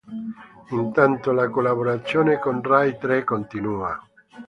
Intanto la collaborazione con Rai Tre continua.